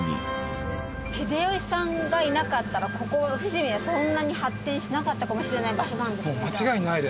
秀吉さんがいなかったらここ伏見はそんなに発展しなかったかもしれない場所なんですねじゃあ。